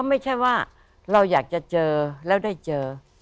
ไม่ใช่ว่าเราอยากจะเจอแล้วได้เจอ